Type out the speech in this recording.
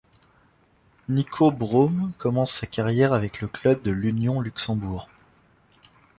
Nico Braun commence sa carrière avec le club de l'Union Luxembourg.